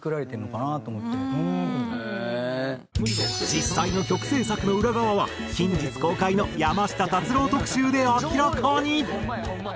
実際の曲制作の裏側は近日公開の山下達郎特集で明らかに。